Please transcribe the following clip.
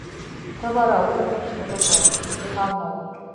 ته به راوګرځي خو زه به په دې حال نه وم